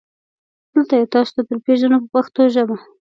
دلته یې تاسو ته درپېژنو په پښتو ژبه.